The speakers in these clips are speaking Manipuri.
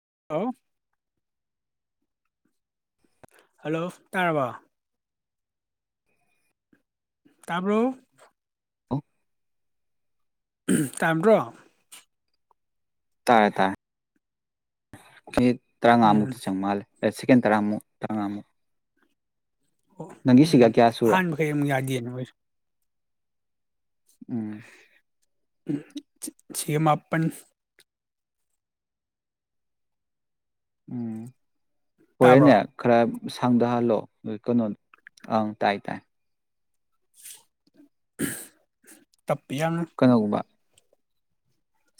[unintelligible] ꯍꯜꯂꯣ ꯇꯥꯔꯕꯣ ꯇꯥꯕ꯭ꯔꯣ ꯑꯣ [unintelligible] ꯇꯥꯏꯌꯦ ꯇꯥꯏꯌꯦ [unintelligible] ꯎꯝ ꯇꯔꯥꯉꯥꯃꯨꯛꯇꯤ ꯆꯪ ꯃꯥꯜꯂꯦ ꯁꯦꯀꯦꯟ ꯇꯔꯥꯃꯨꯛ ꯇꯔꯥꯉꯥꯃꯨꯛ ꯑꯣ ꯎꯝ ꯁꯨꯔꯦ ꯑꯍꯥꯟꯕ ꯃꯈꯩ ꯑꯃꯨꯛ ꯌꯥꯗꯦꯅ [unintelligible] ꯎꯝ [unintelligible] ꯁꯤꯒ ꯃꯥꯄꯟ ꯎꯝ ꯍꯣꯔꯦꯟꯅꯦ ꯇꯥꯕ꯭ꯔꯣ ꯈꯔ ꯁꯪꯗꯍꯜꯂꯣ ꯀꯩꯅꯣ ꯑꯪ ꯇꯥꯏ ꯇꯥꯏ [unintelligible] ꯇꯞꯄꯤ ꯌꯥꯝꯅ ꯀꯩꯅꯣꯒꯨꯝꯕ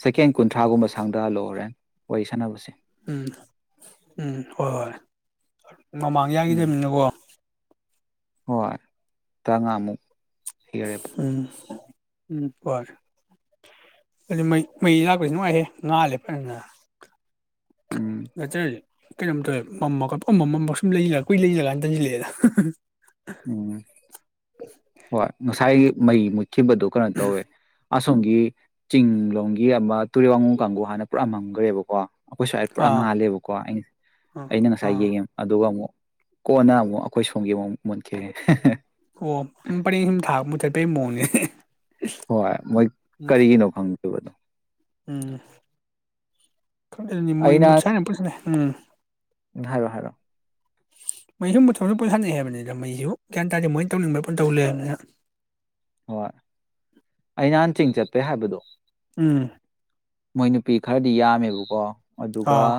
ꯁꯦꯀꯦꯟ ꯀꯨꯟꯊ꯭ꯔꯥꯒꯨꯝꯕ ꯁꯪꯗ ꯍꯜꯂꯣ ꯍꯣꯔꯦꯟ ꯋꯥꯔꯤ ꯁꯥꯟꯅꯕꯁꯦ ꯎꯝ ꯎꯝ ꯍꯣꯏ ꯍꯣꯏ ꯃꯃꯥꯡ ꯎꯝ ꯌꯥꯒꯤꯗꯃꯤꯅꯀꯣ ꯍꯣꯏ ꯇ꯭ꯔꯥꯉꯥꯃꯨꯛ ꯎꯝ ꯎꯝ ꯐꯔꯦ ꯑꯗꯨ ꯃꯩ ꯃꯩ ꯂꯥꯛꯄꯁꯨ ꯅꯨꯡꯉꯥꯏꯍꯦ ꯉꯥꯜꯂꯦ ꯐꯖꯅ ꯎꯝ [unintelligible] ꯀꯩꯅꯣꯝ ꯇꯧꯋꯦ ꯃꯝꯃꯀ ꯃꯃꯝꯕ ꯁꯨꯝ ꯂꯩꯜꯂꯒ ꯀꯨꯏꯂꯩꯁꯤꯜꯂꯀꯅ ꯇꯟꯁꯤꯜꯂꯛꯑꯦꯗ ꯎꯝ ꯍꯣꯏ ꯉꯁꯥꯏꯒꯤ ꯃꯩ ꯃꯨꯠ ꯈꯤꯕꯗꯨ ꯀꯩꯅꯣ ꯇꯧꯋꯦ ꯑꯁꯣꯝꯒꯤ ꯆꯤꯡꯂꯣꯝꯒꯤ ꯑꯃ ꯇꯨꯔꯦꯜ ꯋꯥꯡꯉꯨ ꯀꯥꯡꯕꯨꯨ ꯍꯥꯟꯅ ꯄꯨꯔꯛꯃꯝꯒ꯭ꯔꯦꯕꯀꯣ ꯑꯩꯈꯣꯏ ꯁ꯭ꯋꯥꯏꯗ ꯄꯨꯔꯥ ꯑꯥ ꯉꯥꯜꯂꯦꯕꯀꯣ ꯑꯩꯅ ꯑꯥ ꯑꯩꯅ ꯉꯁꯥꯏ ꯑꯥ ꯌꯦꯡꯉꯦ ꯑꯗꯨꯒ ꯑꯃꯨꯛ ꯀꯣꯟꯅ ꯑꯃꯨꯛ ꯑꯩꯈꯣꯏ ꯁꯣꯝꯒꯤ ꯑꯃꯨꯛ ꯃꯨꯠꯈꯤ ꯑꯣ ꯄꯔꯦꯡ ꯁꯨꯝ [unintelligible] ꯍꯣꯏ ꯃꯣꯏ ꯎꯝ ꯀꯔꯤꯒꯤꯅꯣ ꯈꯪꯗꯦ ꯎꯝ ꯑꯩ ꯅꯍꯥꯟ [unintelligible] ꯎꯝ ꯍꯥꯏꯔꯣ ꯍꯥꯏꯔꯣ ꯃꯩꯁꯨ ꯃꯊꯧꯁꯨ ꯄꯨ ꯁꯥꯟꯅꯩ ꯍꯥꯏꯕꯅꯤꯅ ꯃꯩꯁꯨ ꯒ꯭ꯌꯥꯟ ꯇꯥꯔꯦ ꯃꯣꯏꯅ ꯇꯧꯅꯤꯡꯕ ꯄꯟ ꯇꯧꯜ ꯂꯩ ꯍꯥꯏꯕꯅꯤꯅ ꯍꯣꯏ ꯑꯩ ꯅꯍꯥꯟꯆꯤꯡ ꯆꯠꯄꯦ ꯍꯥꯏꯕꯗꯣ ꯎꯝ ꯃꯣꯏ ꯅꯨꯄꯤ ꯈꯔꯗꯤ ꯌꯥꯝꯃꯦꯕꯀꯣ ꯑꯗꯨꯒ ꯑꯥ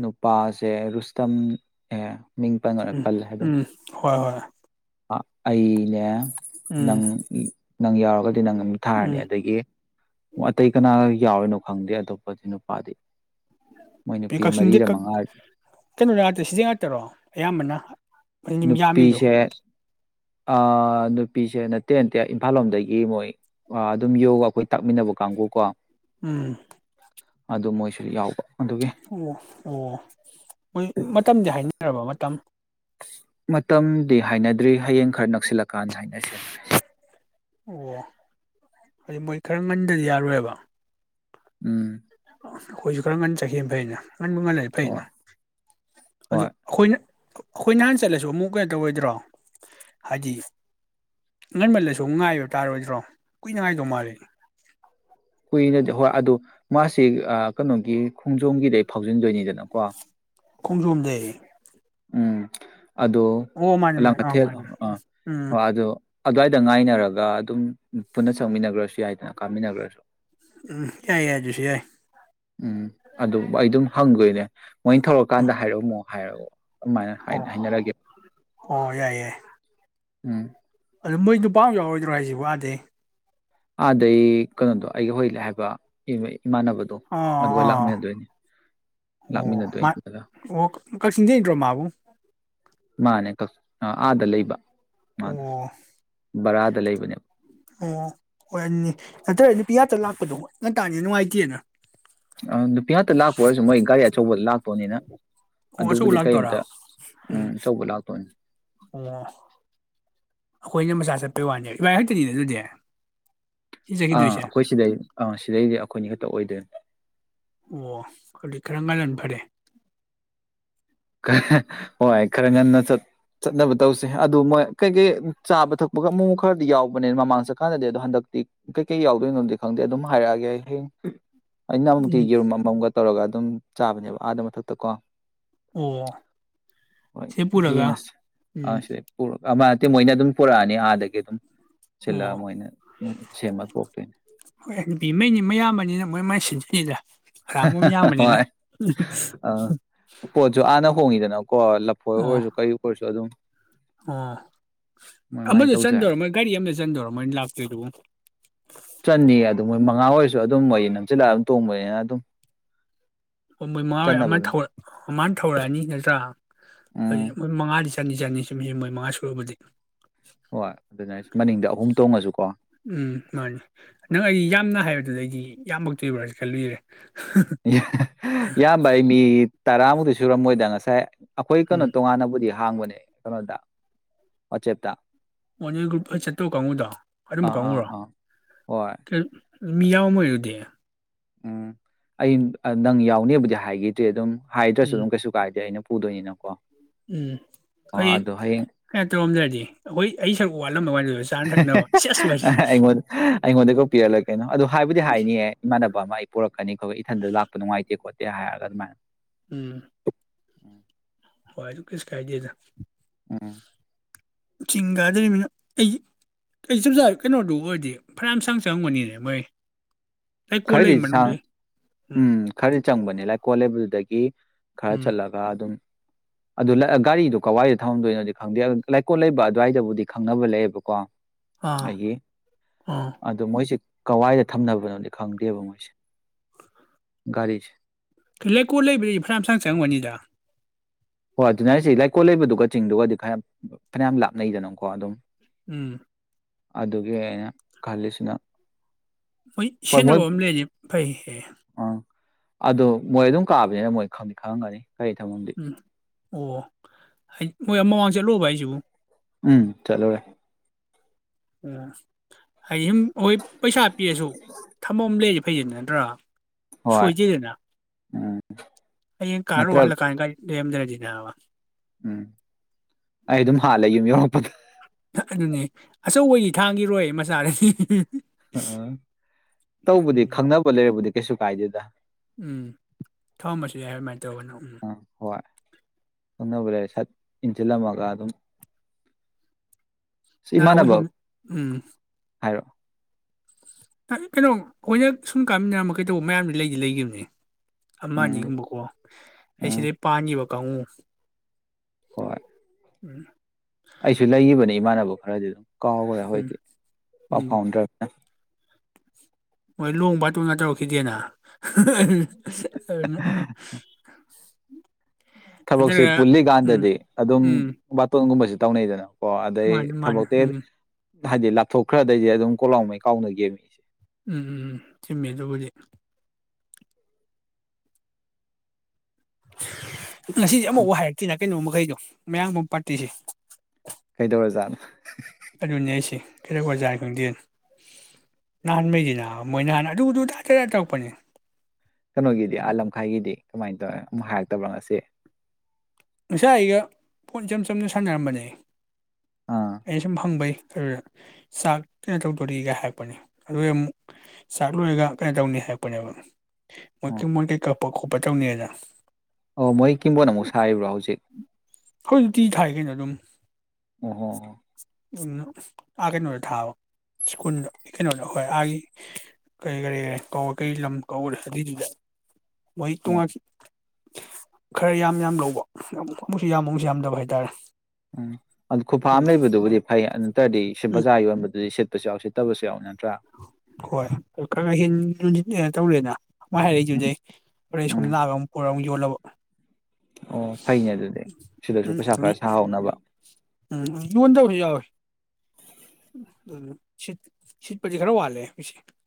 ꯅꯨꯄꯥꯁꯦ ꯔꯨꯁꯇꯝ ꯑꯦ ꯃꯤꯡ ꯄꯟꯒꯅ ꯎꯝ ꯄꯜꯂꯦ ꯑꯗꯨꯝ ꯎꯝ ꯍꯣꯏ ꯍꯣꯏ ꯑꯩꯅꯦ ꯎꯝ ꯅꯪꯒꯤ ꯅꯪ ꯌꯥꯎꯔꯒꯗꯤ ꯁꯤ ꯅꯪ ꯑꯃꯝ ꯊꯥꯔꯅꯤ ꯎꯝ ꯑꯗꯒꯤ ꯑꯇꯩ ꯀꯅꯥꯒ ꯌꯥꯎꯔꯤꯅꯣ ꯈꯪꯗꯦ ꯑꯇꯣꯞꯄꯗꯤ ꯅꯨꯄꯥꯗꯤ ꯃꯣꯏ ꯅꯨꯄꯤ ꯀꯥꯛꯆꯤꯡꯗꯤ ꯃꯔꯤꯔ ꯃꯉꯥꯗꯤ ꯀꯩꯅꯣ ꯇꯁꯤꯖ ꯉꯥꯛꯇꯔꯣ ꯑꯌꯥꯝꯕꯅ ꯑꯗꯨꯝ ꯅꯨꯄꯤ ꯌꯥꯝꯃꯤꯗꯣ ꯁꯦ ꯅꯨꯄꯤꯁꯦ ꯅꯠꯇꯦ ꯅꯠꯇꯦ ꯏꯝꯐꯥꯜ ꯂꯣꯝꯗꯒꯤ ꯃꯣꯏ ꯑꯗꯨꯝ ꯌꯣꯒ ꯑꯩꯈꯣꯏ ꯇꯥꯛꯃꯤꯟꯅꯕ ꯀꯥꯡꯕꯨ ꯀꯣ ꯎꯝ ꯑꯗꯨ ꯃꯣꯏꯁꯨ ꯌꯥꯎꯕ ꯑꯗꯨꯒꯤ ꯑꯣ ꯑꯣ ꯃꯣꯏ ꯃꯇꯝꯗꯤ ꯍꯥꯏꯅꯔꯕ ꯃꯇꯝ ꯃꯇꯝꯗꯤ ꯍꯥꯏꯅꯗ꯭ꯔꯤ ꯍꯌꯦꯡ ꯈꯔ ꯅꯛꯁꯤꯜꯂꯀꯥꯟꯗ ꯍꯥꯏꯅꯁꯦꯅ ꯍꯥꯏꯕ ꯑꯣ ꯍꯥꯏꯗꯤ ꯃꯣꯏ ꯈꯔ ꯉꯟꯗꯗꯤ ꯌꯥꯔꯣꯏꯕ ꯎꯝ ꯑꯩꯈꯣꯏꯁꯨ ꯈꯔ ꯉꯟꯅ ꯆꯈꯤꯝ ꯐꯩꯩꯅ ꯉꯟꯕꯨ ꯉꯜꯂꯗꯤ ꯐꯩꯅ ꯍꯣꯏ ꯑꯗꯨ ꯍꯣꯏ ꯑꯩꯈꯣꯏꯅ ꯑꯩꯈꯣꯏ ꯅꯍꯥꯟ ꯆꯠꯂꯁꯨ ꯑꯃꯨꯛ ꯀꯩꯅꫭꯇꯧꯔꯣꯏꯗ꯭ꯔꯣ ꯍꯥꯏꯗꯤ ꯉꯟꯃꯜꯂꯁꯨ ꯑꯃꯨꯛ ꯉꯥꯏꯕ ꯇꯥꯔꯣꯏꯗ꯭ꯔꯣ ꯀꯨꯏꯅꯉꯥꯏꯗꯧ ꯃꯥꯜꯂꯤ ꯀꯨꯏꯅꯗꯤ ꯍꯣꯏ ꯑꯗꯨꯗꯣ ꯃꯥꯁꯤ ꯀꯩꯅꯣꯒꯤ ꯈꯣꯡꯖꯣꯝꯒꯤꯗ ꯐꯥꯎꯖꯤꯟꯗꯣꯏꯅꯤꯗꯅꯀꯣ ꯈꯣꯡꯖꯣꯝꯗꯩ ꯎꯝ ꯑꯣ ꯃꯥꯅꯤ ꯑꯗꫭ ꯃꯥꯅꯤ ꯑꯥ ꯂꯥꯡꯉꯊꯦꯜ ꯃꯥꯅꯤ ꯑꯥ ꯎꯝ ꯑꯗꯨ ꯑꯗꯨꯋꯥꯏꯗ ꯉꯥꯏꯅꯔꯒ ꯑꯗꯨꯝ ꯄꯨꯟꯅ ꯆꯪꯃꯤꯟꯅꯈ꯭ꯔꯁꯨ ꯌꯥꯏꯗꯅ ꯀꯥꯃꯤꯟꯅꯈ꯭ꯔꯁꯨ ꯎꯝ ꯌꯥꯏ ꯌꯥꯏ ꯑꯗꯨꯁꯨ ꯌꯥꯏ ꯎꯝ ꯑꯗꯨ ꯑꯩ ꯑꯗꯨꯝ ꯍꯪꯗꯣꯏꯅꯦ ꯃꯣꯏ ꯊꯧꯔꯀꯥꯟꯗ ꯍꯥꯏꯔꯛꯑꯝꯃꯣ ꯍꯥꯏꯔꯛꯑꯣ ꯑꯗꯨꯃꯥꯏꯅ ꯑꯣ ꯍꯥꯏꯅꯔꯒꯦ ꯑꯣ ꯌꯥꯏ ꯌꯥꯏ ꯎꯝ ꯑꯗꯨ ꯃꯣꯏ ꯅꯨꯄꯥꯑꯃꯧ ꯌꯥꯎꯔꯣꯏꯗ꯭ꯔꯣ ꯍꯥꯏꯁꯤ ꯑꯥꯗꯩ ꯑꯥꯗꯩ ꯀꯩꯅꯣꯗꯣ ꯑꯩꯅ ꯍꯧꯖꯤꯛ ꯍꯥꯏꯕ ꯏ ꯏꯃꯥꯟꯅꯕꯗꯣ ꯑꯣ ꯑꯗꯨꯒ ꯑꯣ ꯂꯥꯛꯃꯤꯟꯅꯗꯣꯏꯅꯤ ꯂꯥꯛꯃꯤꯟꯅꯗꯣꯏꯅꯤꯗ ꯀꯥꯛꯆꯤꯛꯗꯩꯇ꯭ꯔꯣꯃꯕꯨ ꯃꯥꯅꯦꯛꯀ ꯑꯥꯗ ꯂꯩꯕ ꯃꯥꯗ ꯑꯣ ꯕꯔꯥꯗ ꯂꯩꯕꯅꯦꯕ ꯑꯣ ꯍꯣꯏꯅꯤ ꯑꯗꯨꯏꯗꯤ ꯄꯤꯌꯥꯠꯇ ꯂꯥꯛꯄꯗꯣ ꯍꯟꯇꯛꯀꯥꯟꯖꯤ ꯅꯨꯡꯉꯥꯏꯇꯦꯅ ꯑ ꯅꯨ ꯄꯌꯥꯠꯇ ꯂꯥꯛꯄ ꯑꯣꯏꯔꯁꯨ ꯃꯣꯏ ꯒꯥꯔꯤ ꯑꯆꯧꯕ ꯂꯥꯛ ꯄꯅꯤꯅ ꯑꯣ ꯑꯆꯧꯕ ꯂꯥꯛꯇꯣꯏꯔꯥ ꯎꯝ ꯑꯆꯧꯕ ꯂꯥꯛꯇꯣꯏꯅꯤ ꯑꯣ ꯑꯩꯈꯣꯏꯅ ꯃꯆꯥ ꯆꯠꯄꯩ ꯋꯥꯅꯦ ꯏꯕꯥꯏ ꯍꯛꯇꯅꯤꯅꯦ ꯑꯗꯨꯗꯤ ꯁꯤ ꯑꯥ ꯆꯠꯈꯤꯗꯣꯏꯁꯦ ꯑꯩꯈꯣꯏ ꯁꯤꯗꯩ ꯑ ꯁꯤꯗꯩꯗꯤ ꯑꯩꯈꯣꯏꯅꯤ ꯈꯛꯇ ꯑꯣꯏꯗꯦ ꯑꯣ ꯈꯗꯤ ꯈꯔ ꯉꯜꯍꯟ ꯐꯔꯦ ꯍꯣꯏ ꯈꯔ ꯉꯟꯅ ꯆꯠꯅꯕ ꯇꯧꯁꯦ ꯑꯗꯨ ꯃꯣꯏ ꯀꯩꯀꯩ ꯆꯥꯕ ꯊꯛꯄꯒ ꯑꯃꯨꯛ ꯃꯨꯛ ꯈꯔꯗꯤ ꯌꯥꯎꯕꯅꯦ ꯃꯃꯥꯡ ꯆꯠꯀꯥꯟꯗꯗꯤ ꯑꯗꯣ ꯍꯟꯗꯛꯇꯤ ꯀꯩꯀꯩ ꯌꯥꯎꯗꯣꯏꯅꯣꯗꯤ ꯈꯪꯗꯦ ꯑꯗꯨꯝ ꯍꯥꯏꯔꯛꯑꯒꯦ ꯑꯩ ꯍꯌꯦꯡ ꯑꯩꯅ ꯑꯃꯨꯛꯇꯤ ꯎꯝ ꯌꯦꯔꯨꯝ ꯑꯃꯃꯝꯒ ꯇꯧꯔꯒ ꯑꯗꯨꯝ ꯆꯥꯕꯅꯦꯕ ꯑꯥꯗ ꯃꯊꯛꯇ ꯀꯣ ꯑꯣ ꯍꯣꯏ ꯁꯤ ꯄꯨꯔꯒ ꯌꯦꯡꯉꯁꯤ ꯎꯝ ꯁꯤꯗ ꯄꯨꯔꯒ ꯃꯣꯏꯅ ꯑꯗꯨꯝ ꯄꯨꯔꯛꯑꯅꯤ ꯑꯥꯗꯒꯤ ꯑꯗꯨꯝ ꯑꯣ ꯁꯤꯜꯂꯒ ꯃꯣꯏꯅ ꯁꯦꯝꯃ ꯄꯣꯔꯛꯇꯣꯏꯅꯦ ꯍꯣꯏꯗ ꯃꯩꯅꯤ ꯃꯌꯥꯝꯕꯅꯤꯅ ꯃꯣꯏ ꯃꯥꯏ ꯁꯤꯟ ꯏꯗ ꯍꯣꯏ ꯑ ꯄꯣꯠꯁꯨ ꯑꯥꯅ ꯍꯣꯡꯉꯤꯗꯅ ꯀꯣ ꯂꯐꯣꯏ ꯑꯣ ꯑꯣꯏꯔꯁꯨ ꯀꯩ ꯑꯣꯏꯔꯁꯨ ꯑꯗꯨꯝ ꯑꯣ ꯃꯣꯏ ꯃꯥꯏꯅ ꯑꯃꯗ ꯆꯟꯗꯔꯣ ꯇꯧꯖꯔꯅꯤ ꯃꯣꯏ ꯒꯥꯔꯤ ꯑꯃꯗ ꯆꯟꯗꯔꯣ ꯃꯣꯏꯅ ꯂꯥꯛꯇꯣꯏꯗꯨꯕꯨ ꯆꯟꯅꯤ ꯑꯗꯨ ꯃꯣꯏ ꯃꯉꯥ ꯑꯣꯏꯔꯁꯨ ꯑꯗꯨꯝ ꯃꯣꯏ ꯅꯝꯆꯤꯜꯂ ꯑꯗꯨꯝ ꯇꯣꯡꯕꯅꯤꯅ ꯑꯗꯨꯝ ꯄꯝꯕꯣꯏ ꯃꯉꯥ ꯍ ꯆꯟꯅꯕ ꯑꯃꯅ ꯑꯗꯨꯝ ꯑꯃꯅ ꯊꯧꯔꯛꯑꯅꯤ ꯅꯠꯇ꯭ꯔꯥ ꯑꯗꯨꯗꯤ ꯎꯝ ꯃꯣꯏ ꯃꯉꯥꯗꯤ ꯆꯟꯗꯤ ꯆꯟꯅꯤ ꯁꯨꯝ ꯁꯤ ꯃꯣꯏ ꯃꯉꯥ ꯁꯨꯔꯔꯕꯗꯤ ꯍꯣꯏ ꯑꯗꯨꯅ ꯃꯅꯤꯡꯗ ꯑꯍꯨꯝ ꯇꯣꯡꯉꯁꯨꯀꯣ ꯎꯝ ꯃꯥꯅꯤ ꯅꯪ ꯑꯩ ꯌꯥꯝꯅ ꯍꯥꯏꯕꯗꯨꯗ ꯑꯩꯗꯤ ꯌꯥꯝꯃꯛꯇꯣꯏꯕ꯭ꯔꯥꯁꯨ ꯈꯜꯂꯨꯏꯔꯦ ꯌꯥꯝꯕ ꯍꯥꯏ ꯃꯤ ꯇꯔꯥꯃꯨꯛꯇꯤ ꯁꯨꯔꯝꯃꯣꯏꯗ ꯉꯁꯥꯏ ꯑꯩꯈꯣꯏ ꯀꯩꯅꯣ ꯎꯝ ꯇꯣꯉꯥꯟꯅꯕꯨꯗꯤ ꯍꯥꯡꯕꯅꯦ ꯀꯩꯅꯣꯗ ꯋꯥꯆꯦꯞꯇ ꯃꯣꯏꯅ ꯒ꯭ꯔꯨꯞ ꯐ ꯆꯠꯇꯧ ꯀꯥꯡꯉꯨꯗ ꯑꯥ ꯑꯗꯨꯝꯕ ꯑꯥ ꯀꯥꯡꯉꯨꯔꯣ ꯑꯥ ꯍꯣꯏ ꯃꯤ ꯌꯥꯝꯃꯝꯃꯣꯏ ꯑꯗꯨꯗꯤ ꯎꯝ ꯑꯩ ꯅꯪ ꯌꯥꯎꯅꯦꯕꯨꯗꯤ ꯍꯥꯏꯈꯤꯗ꯭ꯔꯤ ꯑꯗꯨꯝ ꯍꯥꯏꯗ꯭ꯔꯁꯨ ꯎꯝ ꯑꯗꯨꯝ ꯀꯩꯁꯨ ꯀꯥꯏꯗꯦ ꯑꯩꯅ ꯄꯨꯗꯣꯏꯅꯤꯅꯀꯣ ꯎꯝ ꯑꯣ ꯑꯩ ꯑꯗꯣ ꯍꯌꯦꯡ ꯑꯦꯗ ꯇꯧꯔꯝꯗ꯭ꯔꯗꯤ ꯑꯈꯣꯏ ꯑꯩ ꯁꯔꯨꯛ ꯋꯥꯠꯂꯝꯕ ꯋꯅꯤꯗ ꯍꯦ-ꯍꯦ-ꯍꯦꯍ ꯑꯩꯉꫭꯟ ꯑꯩꯉꯣꯟꯗ ꯀꫭꯛ ꯄꯤꯌꯔ ꯂꯩ ꯀꯩꯅꯣ ꯑꯗꯨ ꯍꯥꯏꯕꯨꯗꯤ ꯍꯥꯏꯅꯤꯌꯦ ꯀꯥꯟꯅꯕ ꯑꯃ ꯑꯩ ꯄꯨꯔꯛꯀꯅꯤ ꯑꯩ ꯏꯊꯟꯗ ꯂꯥꯛꯄ ꯅꯨꯡꯉꯥꯏꯇꯦ ꯈꯣꯠꯇꯦ ꯍꯥꯏꯔꯒ ꯑꯗꯨꯃꯥꯏꯅ ꯎꯝ ꯍꫭꯏ ꯑꯗꯨ ꯀꯩꯁꯨ ꯀꯥꯏꯗꯦꯗ ꯎꯝ ꯆꯤꯡꯀꯥꯗꫭꯏꯃꯤꯅ ꯑꯩ ꯑꯩ [unintelligible] ꯀꯩꯅꯣꯗꯨ ꯑꯣꯏꯔꯗꯤ ꯐꯩꯅꯥꯝ ꯁꯥꯡ ꯆꯪꯉꯝꯒꯅꯤ ꯃꯣꯏ ꯂꯩꯀꯣꯜ ꯂꯩ ꯈꯔꯗꯤ ꯁꯥꯡ ꯃꯅꯨꯡꯗꯩ ꯎꯝ ꯈꯔ ꯆꯪꯕꯅꯤ ꯂꯥꯏꯀꯣꯜ ꯂꯩꯕꯗꯨꯗꯒꯤ ꯈꯔ ꯎꯝ ꯆꯠꯂꯒ ꯑꯗꯨꯝ ꯑꯗꯨ ꯒꯥꯔꯤꯗꫭ ꯀꯋꯥꯏꯗ ꯊꯝꯃꯝ ꯗꯣꯏꯅꯣꯗꯤ ꯈꯪꯗꯦ ꯂꯩꯀꯣꯜ ꯂꯩꯕ ꯑꯗꯨꯋꯥꯏꯗꯕꯨꯗꯤ ꯈꯪꯅꯕ ꯂꯩꯌꯦꯕꯀꯣ ꯑꯥ ꯑꯩꯒꯤ ꯑꯥ ꯑꯗꯨ ꯃꯣꯏꯁꯦ ꯀꯋꯥꯏꯗ ꯊꯝꯅꯕꯅꯣꯗꯤ ꯈꯪꯗꯦꯕ ꯃꯣꯏꯁꯦ ꯒꯥꯔꯤꯁꯦ ꯂꯩꯀꯣꯜ ꯂꯩꯕꯗꯩ ꯐꯩꯅꯥꯝ ꯁꯥꯡ ꯆꯪꯉꯝꯒꯅꯤꯗ ꯍꯣꯏ ꯑꯗꯨꯅꯦ ꯍꯥꯏꯁꯦ ꯂꯩꯀꯣꯜ ꯂꯩꯕꯗꯨꯒ ꯆꯤꯡꯗꯨꯒꯗꯤ ꯈꯔ ꯐꯅꯌꯥꯝ ꯂꯥꯞꯅꯩꯗꯅꯀꯣ ꯑꯗꯨꯝ ꯎꯝ ꯑꯗꯨꯒꯤ ꯑꯩꯅ ꯈꯜꯂꯤꯁꯤꯅ ꯍꫭꯏ ꯍꯣꯏ ꯁꯤꯖꯤꯟ ꯅꯕꯝ ꯑꯃ ꯂꯩꯔꯗꯤ ꯐꯩꯍꯦ ꯑꯗꯨ ꯃꯣꯏ ꯑꯗꯨꯝ ꯀꯥꯕꯌꯥꯏ ꯃꯣꯏ ꯈꯪꯗꯤ ꯈꯪꯉꯝꯒꯅꯤ ꯒꯥꯔꯤ ꯊꯝꯃꯝꯗꯤ ꯎꯝ ꯑꯣ ꯌꯥꯏꯗꯤ ꯃꯣꯏ ꯑꯥ ꯃꯃꯥꯡ ꯆꯠꯂꯨꯕ ꯍꯥꯏꯁꯤꯕꯨ ꯎꯝ ꯆꯠꯂꯨꯔꯦ ꯎꯝ ꯍꯥꯏꯗꯤ ꯁꯨꯝ ꯃꫭꯏ ꯄꯩꯁꯥ ꯄꯤꯔꯁꯨ ꯊꯝꯃꯝ ꯂꯩꯔꯗꯤ ꯐꯩꯗꯅ ꯅꯠꯇ꯭ꯔꯥ ꯍꯣꯏ ꯁꯣꯏꯗꯦꯗꯅ ꯎꯝ ꯍꯥꯌꯦꯡ ꯀꯥꯔꯨꯔ ꯅꯠꯇ꯭ꯔ ꯍꯜꯂꯛ ꯀꯥꯟ ꯒꯥꯔꯤ ꯂꯩꯔꯝꯗ꯭ꯔꯗꯤ ꯅꯥꯕꯥ ꯎꯝ ꯑꯩ ꯑꯗꯨꯝ ꯍꯥꯠꯂꯦ ꯌꯨꯝ ꯌꯧꯔꯛꯄꯗ ꯑꯗꯨꯅꯦ ꯑꯆꯧꯕꯗꯤ ꯊꯥꯡꯒꯤꯔꯣꯏ ꯃꯆꯥꯗꯗꯤ ꯑ! ꯇꯧꯕꯗꯤ ꯑꯗꯨꯅꯤ ꯈꯪꯅꯕ ꯂꯩꯔꯕꯨꯗꯤ ꯀꯩꯁꯨ ꯀꯥꯏꯗꯦꯗ ꯎꯝ ꯊꯝꯃꯝ ꯃꯥꯁꯨ ꯌꯥꯏ ꯍꯥꯏ ꯑꯗꯨꯃꯥꯏ ꯇꯧꯔꯒꯥꯅ ꯎꯝ ꯑꯥ ꯍꯣꯏ ꯈꯪꯅꯕ ꯂꯩꯔ ꯁꯠ ꯏꯟꯖꯜꯂꯝꯃꯒ ꯑꯗꯨꯝ ꯁꯤ ꯅ ꯑꯈꫭꯏ ꯏꯃꯥꯟꯅꯕ ꯁꫭꯝ ꯎꯝ ꯍꯥꯏꯔꯣ ꯀꯩ ꯀꯩꯅꯣ ꯑꯩꯈꯣꯏꯅ ꯁꯨꯝ ꯀꯥꯃꯤꯟꯅꯔꯝꯃꯥꯒꯥ ꯀꯩꯇꯧꯕ [unintelligible] ꯂꯩꯗꯤ ꯂꯩꯒꯤꯕꯅꯤ ꯑꯃ ꯎꯝ ꯑꯅꯤꯒꯨꯝꯕ ꯀꯣ ꯑꯩ ꯎꯝ ꯁꯤꯗꯩ ꯄꯥꯟꯒꯤꯕ ꯀꯥꯡꯉꯨ ꯍꯣꯏ ꯑꯩꯁꯨ ꯂꯩꯒꯤꯕꯅꯤ ꯏꯃꯥꯟꯅꯕ ꯈꯔꯗꯤ ꯑꯗꯨꯝ ꯀꯥꯎꯒ꯭ꯔꯦ ꯎꯝ ꯑꯈꯣꯏꯗꯤ ꯄꯥꯎ ꯎꯝ ꯐꯥꯎꯅꯗ꯭ꯔꯥꯅꯤꯅ ꯃꯣꯏ ꯂꯣꯡ ꯕꯥꯇꯣꯟꯒ ꯇꯧꯔꯛꯈꯤꯗꯦꯅ ꯑꯗꯨꯅ [unintelligible] ꯊꯕꯛꯁꯤ ꯅꯠꯇ꯭ꯔꯒ ꯎꯝ ꯄꯨꯜꯂꯤꯀꯥꯟꯗꯗꯤ ꯑꯗꯨꯝ ꯎꯝ ꯕꯥꯇꯣꯟꯒꯨꯝꯕꯁꯤ ꯇꯧꯅꯩꯗꯅ ꯑꯣ ꯑꯗꯩ ꯃꯥꯅꯤ ꯃꯥꯅꯤ ꯊꯕꯛꯇꯣ ꯎꯝ ꯍꯥꯏꯗꯤ ꯂꯥꯞꯊꯣꯛꯈ꯭ꯔꯗꯩꯁꯦ ꯑꯗꯨꯝ ꯀꯣꯂꯥꯎꯃꯩ ꯀꯥꯎꯅꯒꯤꯗꯨꯅꯤ ꯎꯝ ꯎꯝꯝ ꯆꯨꯝꯃꯦ ꯑꯗꯨꯕꯨꯗꯤ ꯉꯁꯤꯁꯦ ꯎꯝ ꯑꯃꯥꯎ ꯍꯥꯏꯔꯛꯇꯤꯅ ꯀꯩꯅꯣ ꯃꯈꯩꯗꯣ ꯃꯌꯥꯝ ꯕꯣꯛ ꯄꯥꯔꯇꯤꯁꯦ ꯀꯩꯗꯧꯔ ꯖꯥꯠꯅꯣ ꯑꯗꯨꯅꯤ ꯍꯥꯏꯁꯦ ꯀꯦꯔꯛ ꯑꯣꯖꯥ ꯗꯨꯗꯤ ꯅꯍꯥꯟꯃꯩꯗꯤ ꯅꯥꯕ ꯃꯣꯏ ꯅꯍꯥꯟ ꯑꯗꯨ ꯑꯗꯨ ꯇꯗ ꯇꯗ ꯇꯧꯔꯛꯄꯅꯦ ꯀꯩꯅꯣꯒꯤꯗꯤ ꯑꯥꯂꯝꯈꯥꯏꯒꯤꯗꯤ ꯀꯃꯥꯏꯅ ꯇꯧ ꯑꯃꯨꯛ ꯍꯥꯏꯔꯛꯇꯕ꯭ꯔꯥ ꯉꯁꯤ ꯉꯁꯥꯏ ꯑꯩꯒ ꯐꯣꯟ ꯏꯆꯝ ꯆꯝꯅ ꯁꯥꯟꯅꯔꯝꯕꯅꯦ ꯑꯥ ꯑꯩꯅ ꯁꯨꯝ ꯍꯪꯕꯩ ꯑꯗꯨ ꯆꯥꯛ ꯀꯩꯅꯣ ꯇꯧꯗꯣꯔꯤꯒ ꯍꯥꯏꯔꯛꯄꯅꯦ ꯑꯗꯣꯏ ꯑꯃꯨꯛ ꯆꯥꯛ ꯂꯣꯏꯔꯒ ꯀꯩꯅꯣ ꯇꯧꯅꯤ ꯍꯥꯏꯔꯛꯄꯅꯦꯕ ꯑꯣ [unintelligible] [unintelligible] ꯑꯣ ꯃꯣꯏ ꯀꯤꯡꯕꯣꯟ ꯃꯨꯛ ꯍꯣꯏ [unintelligible] ꯊꯥꯏ ꯀꯩꯅꯣ ꯔꯨꯝ ꯑꯣ ꯍꯣ ꯍꯣ ꯑꯥ ꯀꯩꯅꯣꯗ ꯊꯥꯕ ꯁ꯭ꯀꯨꯜꯗ ꯀꯩꯅꯣꯗ ꯍꯣꯏ ꯑꯥꯒꯤ ꯀꯔꯤ ꯀꯔꯤ ꯀꯩ ꯂꯝ ꯀꯧꯕ ꯑꯗꯨꯏꯗꯨꯗ ꯃꯣꯏ ꯑꯣ ꯇꯣꯡꯉ ꯈꯔ ꯌꯥꯝ ꯌꯥꯝ ꯂꯧꯕ ꯌꯥꯝ ꯑꯃꯨꯛꯁꯨ ꯌꯥꯝꯃꯨꯛꯁꯨ ꯌꯥꯝꯗꯕ ꯍꯥꯏꯇꯥꯔꯦ ꯎꯝ ꯑꯗꯨ ꯈꯨꯐꯥ ꯎꯝ ꯑꯃ ꯂꯩꯕꯗꯨꯕꯨꯗꯤ ꯐꯩ ꯇ꯭ꯔꯥꯗꯤ ꯁꯤ ꯎꯝ ꯕꯖꯥꯔ ꯖꯥ ꯌꯣꯟꯕꯗꯨꯗꯤ ꯁꯤꯠ [unintelligible] ꯍꯣꯏ ꯑꯣ ꯈꯔ ꯍꯦꯟ [unintelligible] ꯑꯦ ꯇꯧꯔꯦꯅ ꯃꯥꯏ ꯍꯥꯏꯔꯛꯏ ꯍꯣꯔꯦꯟ ꯎꯝ ꯁꯣꯝꯗ ꯂꯛꯑꯒ ꯌꯣꯜꯂꯕꯣ ꯑꯣ ꯐꯩꯅꯦ ꯑꯗꯨꯗꯤ ꯁꯤꯗꯁꯨ ꯄꯩꯁꯥ [unintelligible] ꯈꯔ ꯁꯥꯍꯧꯅꯕ ꯌꫭꯟꯗꯕꯁꯨ ꯌꯥꯎꯋꯦ [unintelligible] ꯁꯤꯠꯄꯗꯤ ꯈꯔ ꯋꯥꯂꯦ [unintelligible]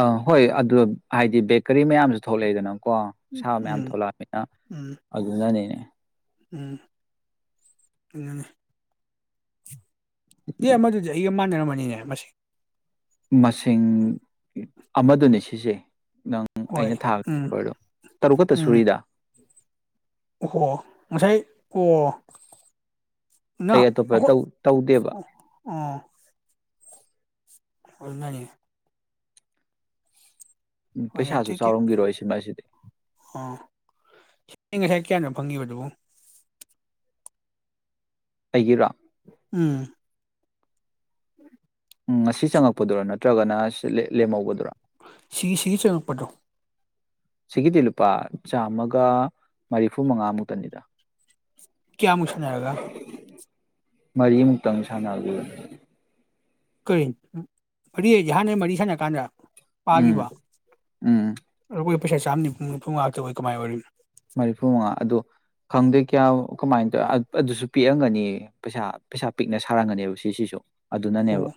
ꯑ ꯍꯣꯏ ꯑꯗꯨ ꯍꯥꯏꯗꯤ ꯕꯦꯀꯔꯤ ꯃꯌꯥꯝꯁꯨ ꯊꯣꯛꯂꯛꯏꯗꯅ ꯀꯣ ꯁꯥ ꯃꯌꯥꯝ ꯎꯝ ꯊꯣꯛꯂꯛꯑꯃꯤꯅ ꯎꯝ ꯑꯗꯨꯅꯅꯤꯅꯦ ꯎꯝ [unintelligible] ꯌꯦ ꯑꯃꯗꯨꯗꯤ ꯑꯩꯒ ꯃꯥꯅꯔꯝꯅꯤ [unintelligible] ꯃꯁꯤ ꯃꯁꯤꯡ ꯑꯃꯗꯨꯅꯤ ꯁꯤꯖꯦ ꯅꯪ ꯍꯣꯏ ꯑꯩꯅ ꯎꯝ ꯊꯥꯕꯗꯣ ꯇꯔꯨꯛ ꯈꯛꯇ ꯎꯝ ꯁꯨꯔꯤꯗ ꯑꯣꯍꯣ ꯉꯁꯥꯏ ꯑꯣ ꯅ ꯑꯩ ꯑꯇꯣꯞꯄ ꯇꯧ ꯑꯩꯈꯣꯏ ꯇꯧꯗꯦꯕ ꯑꯣ ꯑꯗꯨꯅꯅꯤ ꯎꯝ ꯍꯣꯏꯅꯦ ꯄꯩꯁꯥꯁꯨ ꯇꯤꯛ ꯆꯥꯎꯔꯝꯒꯤꯔꯣꯏ ꯁꯤꯃꯥꯗꯤ ꯑꯣ ꯑꯩ ꯉꯁꯥꯏ ꯀꯌꯥꯅꯣ ꯐꯪꯉꯤꯕꯗꯨꯕꯨ ꯑꯩꯒꯤꯔꯣ ꯎꯝ [unintelligible] ꯎꯝ ꯉꯁꯤ ꯆꯪꯉꯛꯄꯗꯨꯔ ꯅꯠꯇ꯭ꯔꯒꯅ ꯂꯦꯝꯍꯧꯕꯗꯨꯔꯥ ꯁꯤꯒꯤ ꯁꯤꯒꯤ ꯆꯉꯛꯄꯗꯣ ꯁꯤꯒꯤꯗꯤ ꯂꯨꯄꯥ ꯆꯥꯝꯃꯒ ꯃꯔꯤꯐꯨ ꯃꯉꯥꯃꯨꯛꯇꯅꯤꯗ ꯀꯌꯥ ꯃꯨꯛ ꯁꯟꯅꯔꯒ ꯃꯔꯤꯃꯨꯛꯇꯪ ꯁꯟꯅ ꯀꯔꯤ ꯃꯔꯤ ꯍꯥꯏꯗꯤ ꯍꯥꯟꯅꯩ ꯃꯔꯤ ꯁꯥꯟꯅ ꯀꯥꯟꯗ ꯎꯝ ꯄꯥꯈꯤꯕ ꯎꯝ ꯑꯩꯈꯣꯏ ꯄꯩꯁꯥ ꯆꯥꯝꯅꯤꯐꯨꯃꯉꯥ ꯃꯨꯛꯇꯥ ꯑꯣꯏ ꯀꯃꯥꯏ ꯑꯣꯏꯔꯤꯝꯅꯣ ꯃꯔꯤꯐꯨ ꯃꯉꯥ ꯑꯗꯣ ꯈꯪꯗꯦ ꯀꯌꯥ ꯀꯃꯥꯏꯅ ꯇꯧꯋ ꯑꯗꯨꯁꯨ ꯄꯤꯛꯑꯝꯒꯅꯤ ꯄꯩꯁꯥ ꯄꯩꯁꯥ ꯄꯤꯛꯅ ꯁꯥꯔꯝꯒꯅꯤꯕ ꯁꯤꯁꯤꯁꯨ ꯑꯣ ꯑꯗꯨꯅꯅꯦꯕ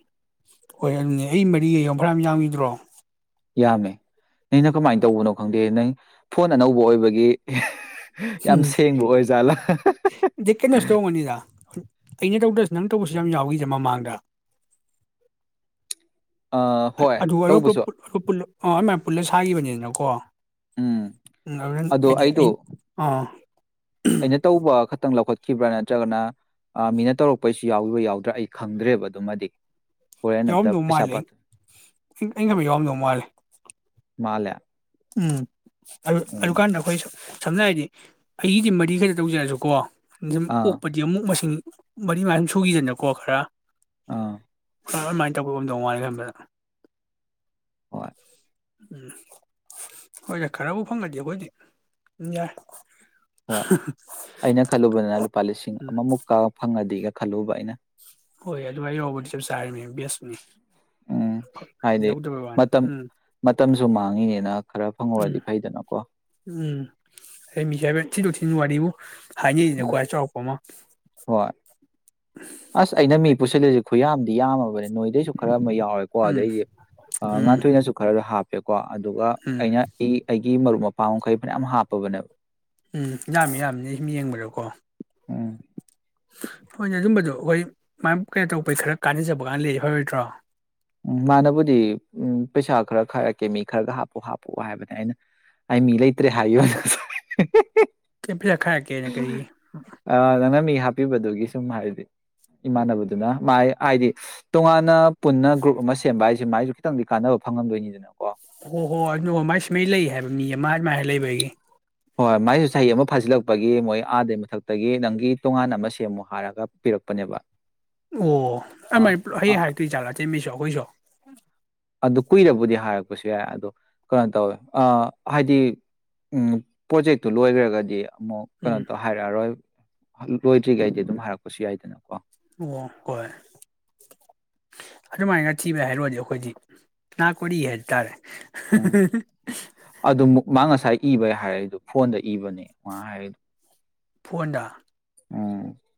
ꯍꯣꯏ ꯑꯗꯨꯅꯦ ꯑꯩ ꯃꯔꯤ ꯌꯦ ꯐꯅꯥꯝ ꯑꯃ ꯌꯥꯝꯒꯤꯗ꯭ꯔꯣ ꯌꯥꯃꯦ ꯑꯩꯅ ꯀꯃꯥꯏ ꯇꯧꯕꯅꯣ ꯈꯪꯗꯦ ꯅꯪ ꯐꯣꯟ ꯑꯅꯧꯕ ꯑꯣꯏꯕꯒꯤ ꯌꯥꯝ ꯎꯝ ꯁꯦꯡꯕ ꯑꯣꯏ ꯖꯥꯠꯂꯥ ꯑꯗꯩ ꯀꯩꯅꯣꯁꯨ ꯇꯧꯔꯝꯒꯅꯤꯗ ꯑꯩꯅ ꯇꯧꯗꯁꯨ ꯅꯪ ꯇꯧꯕꯁꯨ ꯌꯥꯝ ꯌꯥꯎꯋꯤꯗ ꯃꯃꯥꯡꯗ ꯑꯥ ꯍꯣꯏ [unintelligible] ꯇꯧꯕꯁꯨ ꯑꯣ [unintelligible] ꯄꯨꯜꯂ ꯁꯥꯒꯤꯕꯅꯤꯗꯅꯀꯣ ꯎꯝ ꯎꯝ ꯑꯗꯣ ꯑꯩꯗꯣ ꯑꯗꯨꯅ ꯑꯩꯅ ꯇꯧꯕ [unintelligible] ꯂꯧꯈꯠꯈꯤꯕ꯭ꯔꯥ ꯅꯠꯇ꯭ꯔꯒꯅ ꯃꯤꯅ ꯇꯧꯔꯛꯄꯩꯁꯨ ꯌꯥꯎꯒꯤꯕ꯭ꯔꯥ ꯌꯥꯎꯗ꯭ꯔꯥ ꯑꯩ ꯈꯪꯗ꯭ꯔꯦꯕ ꯑꯗꯨꯃꯗꯤ ꯍꯣꯔꯦꯟ ꯑꯝꯇ ꯌꯥꯎꯔꯝꯗꯧ ꯄꯩꯁꯥ ꯃꯥꯜꯂꯦ ꯄꯥ [unintelligible] ꯌꯥꯎꯔꯝꯗꯧ ꯃꯥꯜꯂꯦ ꯃꯥꯂꯦ ꯎꯝ ꯑꯗꯨ ꯑꯗꯨꯀꯥꯟꯗ ꯑꯈꯣꯏꯁꯨ ꯁꯝꯅ ꯍꯥꯏꯔꯗꯤ ꯑꯩꯒꯤꯗꯤ ꯃꯔꯤꯈꯛꯇ ꯇꯧꯖꯔꯁꯨꯀꯣ [unintelligible] ꯑꯥ ꯑꯣꯛꯄꯗꯤ ꯑꯃꯨꯛ ꯃꯁꯤꯡ ꯃꯔꯤ ꯃꯉꯥ ꯁꯨꯈꯤꯗꯅꯀꯣ ꯈꯔ ꯑꯥ [unintelligible] [unintelligible] ꯍꯣꯏ ꯎꯝ ꯍꯣꯏꯁꯦ ꯈꯔꯕꯨ ꯐꯪꯒꯗꯤ ꯑꯈꯣꯏꯗꯤ ꯑꯗꯨꯝ ꯌꯥꯏ ꯍꯣꯏ ꯑꯩꯅ ꯈꯜꯂꯨꯕꯗꯅ ꯂꯨꯄꯥ ꯂꯤꯁꯤꯡ ꯎꯝ ꯑꯃꯃꯨꯛꯀ ꯐꯪꯉꯗꯤꯒ ꯈꯜꯂꯨꯕ ꯑꯩꯅ ꯍꯣꯏ ꯑꯗꯨꯋꯥꯏ ꯌꯧꯔꯕꯨꯗꯤ ꯆꯞ ꯆꯔꯤꯃꯤ ꯕꯦꯁꯅꯤ ꯎꯝ ꯍꯥꯏꯗꯤ ꯌꯧꯗꯕꯩꯋꯥꯅꯤ ꯃꯇꯝ ꯎꯝ ꯃꯇꯝꯁꯨ ꯃꯥꯡꯉꯤꯅꯤꯅ ꯈꯔ ꯎꯝ ꯐꯪꯍꯧꯔꯗꯤ ꯐꯩꯗꯅꯀꯣ ꯎꯝ ꯑꯩ ꯃꯤ ꯌꯥꯝ ꯊꯤꯟꯗꫭꯛ ꯊꯤꯟꯖꯤꯟ ꯋꯥꯔꯤꯕꯨ [unintelligible] ꯎꯝ ꯈ꯭ꯋꯥꯏ ꯆꯥꯎꯔꯥꯛꯄ ꯑꯃ ꯍꯣꯏ ꯑꯁ ꯑꯩꯅ ꯃꯤ ꯄꯨꯁꯤꯜꯂꯤꯁꯤ ꯈꯨꯌꯥꯝꯗꯤ ꯌꯥꯝꯃꯕꯅꯤ ꯅꯣꯏꯗꯩꯁꯨ ꯈꯔ ꯑꯃ ꯌꯥꯎꯔꯦꯀꯣ ꯎꯝ ꯑꯗꯩꯗꯤ ꯎꯝ ꯉꯥꯥꯟꯊꯣꯏꯅꯁꯨ ꯈꯔ ꯍꯥꯞ [unintelligible] ꯑꯗꯨꯒ ꯎꯝ ꯑꯩꯅ ꯑꯩ ꯑꯩꯒꯤ ꯃꯔꯨꯞ ꯃꯄꯥꯡ [unintelligible] ꯃꯈꯩ ꯐꯅꯌꯥꯝ ꯍꯥꯞꯄꯕꯅꯦꯕ ꯎꯝ ꯌꯥꯝꯃꯤ ꯌꯥꯝꯅꯤ ꯁꯨꯝ ꯌꯦꯡꯕꯗꯣꯀꯣ ꯎꯝ ꯍꯣꯏꯅꯦ ꯑꯗꯨꯝꯕꯗꯣ ꯑꯈꯣꯏ ꯃꯥꯏ ꯀꯩꯅꯣ ꯇꯧꯔꯛꯄꯩ ꯈꯔ ꯀꯥꯟꯅꯖꯕꯒꯥꯡ ꯂꯩꯔꯗꯤ ꯐꯔꯣꯏꯗ꯭ꯔꯣ ꯎꯝ ꯃꯥꯅꯕꯨꯗꯤ ꯎꯝ ꯄꯩꯁꯥ ꯈꯔ ꯈꯥꯏꯔꯛꯀꯦ ꯃꯤ ꯈꯔꯒ ꯍꯥꯞꯄꯨ ꯍꯥꯞꯄꯨ ꯍꯥꯏꯕꯅꯤ ꯑꯩꯅ ꯑꯩ ꯃꯤ ꯂꯩꯇ꯭ꯔꯦ ꯍꯥꯏꯈꯤꯕꯅꯦ ꯀꯩ ꯄꯩꯁꯥ ꯈꯥꯏꯔꯛꯀꯦꯅ ꯀꯩꯒꯤ ꯑ, ꯅꯪꯅ ꯃꯤ ꯍꯥꯞꯄꯤꯕꯗꯨꯒꯤ ꯁꯨꯝ ꯍꯥꯏꯗꯤ ꯏꯃꯥꯟꯅꯕꯗꯨꯅ ꯃꯥꯥꯏ ꯍꯥꯏꯗꯤ ꯇꯣꯉꯥꯟꯅ ꯄꯨꯟꯅ ꯒ꯭ꯔꯨꯞ ꯑꯁ ꯁꯦꯝꯕ ꯍꯥꯏꯁꯦ ꯃꯥꯏꯁꯨ ꯈꯤꯇꯪꯗꯤ ꯀꯥꯟꯅꯕ ꯐꯪꯉꯝꯗꯣꯏꯅꯤꯗꯅꯀꯣ ꯍꯣ ꯍꯣ ꯑꯗꯨꯅ ꯃꯥꯏ ꯁꯨꯃꯩ ꯂꯩ ꯍꯥꯏꯕ ꯃꯤ ꯑꯃ ꯑꯃꯥꯥꯏ ꯂꯩꯕꯒꯤ ꯍꯣꯏ ꯃꯥꯏꯁꯨ ꯆꯍꯤ ꯑꯃ ꯐꯥꯖꯤꯜꯂꯛꯄꯒꯤ ꯃꯣꯏ ꯑꯥꯗꯩ ꯃꯊꯛꯇꯒꯤ ꯅꯪꯒꯤ ꯇꯣꯉꯥꯟ ꯑꯃ ꯁꯦꯝꯃꯨ ꯍꯥꯏꯔꯒ ꯄꯤꯔꯛꯄꯅꯦꯕ ꯑꯣ ꯑꯥ ꯑꯃꯥꯏ ꯄꯨꯂꯞ ꯍꯩ ꯑ- ꯍꯥꯏꯔꯛꯇꯣꯏꯖꯥꯠꯂ ꯑꯇꯩ ꯃꯤꯁꯨ ꯑꯩꯈꯣꯏꯁꯨ꯫ [unintelligible] ꯑꯗꯨ ꯀꯨꯏꯔꯕꯨꯗꯤ ꯍꯥꯏꯔꯛꯄꯁꯨ ꯌꯥꯏ ꯑꯗꯣ ꯀꯩꯅꯣ ꯇꯧꯋꯦ ꯑ ꯍꯥꯏꯗꯤ ꯎꯝ ꯄꯣꯖꯦꯛꯇꯨ ꯂꯣꯏꯒ꯭ꯔꯒꯗꯤ꯫ ꯑꯃꯨꯛ ꯎꯝ [unintelligible] ꯍꯥꯏꯔꯣꯏꯕ꯫ ꯂꯣꯏꯗ꯭ꯔꯤ ꯉꯩꯗꯤ ꯑꯗꯨꯝ ꯍꯥꯏꯔꯛꯄꯁꯨ ꯌꯥꯏꯗꯅꯀꯣ꯫ ꯑꯣ ꯍꯣꯏ ꯑꯗꯨꯃꯥꯏꯅ ꯊꯤꯕ ꯍꯥꯏꯔꯨꯔꯗꯤ ꯑꯩꯈꯣꯏꯗꯤ ꯅꯥ ꯀꯣꯔꯤ ꯍꯥꯏꯗꯣ ꯇꯥꯔꯦ꯫ ꯎꯝ ꯑꯗꯨ ꯃꯨꯛ ꯃꯥ ꯉꯁꯥꯏ ꯏꯕꯩ ꯍꯥꯏꯔꯛꯏꯗꯣ ꯐꯣꯟꯗꯩ ꯏꯕꯅꯦ ꯋꯥ ꯍꯥꯏ ꯐꯣꯟꯗ꯫